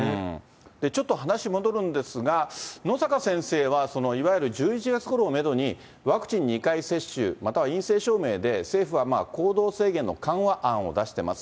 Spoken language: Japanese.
ちょっと話戻るんですが、野阪先生は、いわゆる１１月ごろをメドに、ワクチン２回接種、または陰性証明で、政府は行動制限の緩和案を出しています。